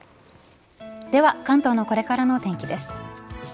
では関東のこれからのお天気です。